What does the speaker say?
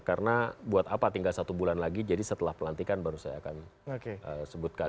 karena buat apa tinggal satu bulan lagi jadi setelah pelantikan baru saya akan sebutkan